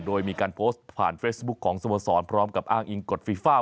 โดยมีการโพสต์ผ่านเฟซบุ๊คของสโมสรพร้อมกับอ้างอิงกฎฟีฟ่า